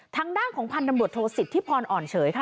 ทางด้านของพันธบทศิษย์ที่พรอ่อนเฉยค่ะ